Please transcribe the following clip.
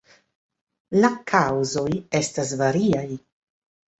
La kaŭzoj estas variaj.